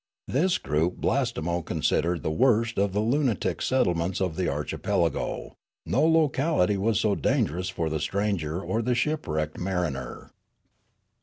This group Blastemo The Voyage Continued 355 considered the worst of the lunatic settlements of the archipelago ; no locality was so dangerous for the stranger or the shipwrecked mariner.